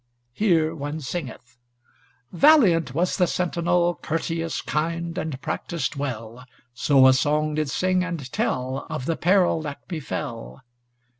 Here one singeth: Valiant was the sentinel, Courteous, kind, and practised well, So a song did sing and tell Of the peril that befell.